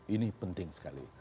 ini penting sekali